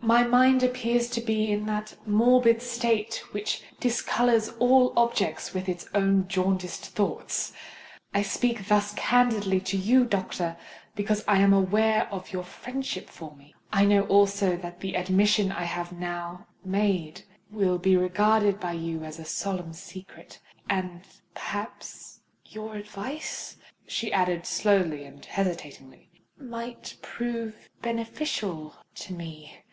my mind appears to be in that morbid state which discolours all objects with its own jaundiced thoughts. I speak thus candidly to you, doctor—because I am aware of your friendship for me—I know also that the admission I have now made will be regarded by you as a solemn secret—and perhaps your advice," she added, slowly and hesitatingly, "might prove beneficial to me.